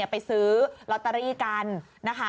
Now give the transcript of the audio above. ไปซื้อลอตเตอรี่กันนะคะ